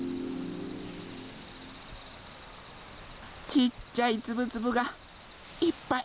ちっちゃいつぶつぶがいっぱい。